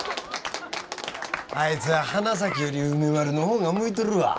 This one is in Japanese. あいつは花咲より梅丸の方が向いとるわ。